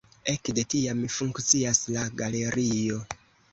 Ekde tiam funkcias la galerio.